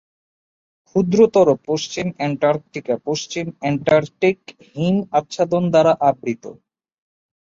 ক্ষুদ্রতর পশ্চিম অ্যান্টার্কটিকা পশ্চিম অ্যান্টার্কটিক হিম আচ্ছাদন দ্বারা আবৃত।